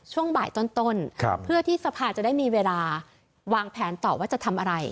ช่วงบ่ายต้นเพื่อที่สภาจะได้มีเวลาวางแผนต่อว่าจะทำอะไร